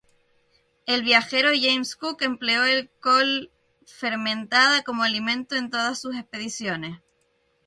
El viajero James Cook empleó la col fermentada como alimento en todas sus expediciones.